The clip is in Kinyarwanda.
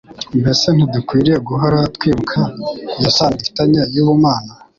Mbese ntidukw'iriye guhora twibuka iyo sano dufitanye y'ubumana?